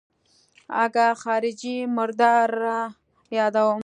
اگه خارجۍ مرداره يادوم.